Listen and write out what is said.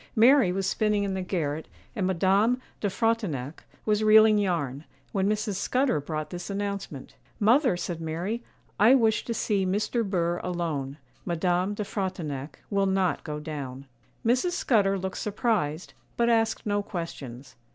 Mary was spinning in the garret, and Madame de Frontignac was reeling yarn, when Mrs. Scudder brought this announcement. 'Mother,' said Mary, 'I wish to see Mr. Burr alone; Madame de Frontignac will not go down.' Mrs. Scudder looked surprised, but asked no questions.